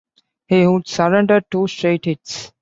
He would surrender two straight hits.